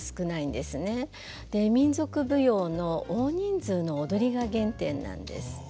で民族舞踊の大人数の踊りが原点なんです。